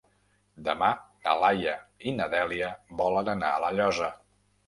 Demà na Laia i na Dèlia volen anar a La Llosa.